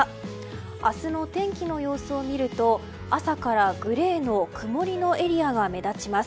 明日の天気の様子を見ると朝からグレーの曇りのエリアが目立ちます。